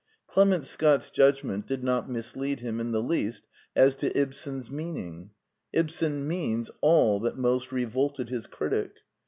Clement Scott's judgment did not mislead him in the least as to Ibsen's meaning. Ibsen means all that most re volted his critic.